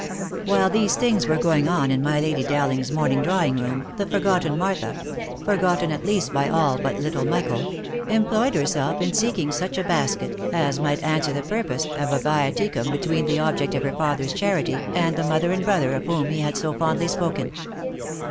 While these things were going on in ray Lady Dowling's morn ing drawing room, the forgotten Martha — forgotten at least by all but little Michael — employed herself in seeking such a basket, as might answer the purpose of a viaticum between the object of her father's charity, and the mother and brother of whom he had so fondly spoken.